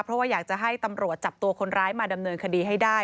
เพราะว่าอยากจะให้ตำรวจจับตัวคนร้ายมาดำเนินคดีให้ได้